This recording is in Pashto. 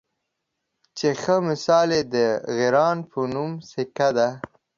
چې ښۀ مثال یې د غران پۀ نوم سیکه ده